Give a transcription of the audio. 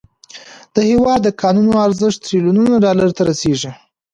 د هیواد د کانونو ارزښت تریلیونونو ډالرو ته رسیږي.